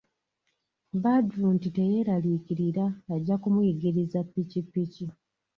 Badru nti teyeralikirira ajja kumuyigiriza pikipiki.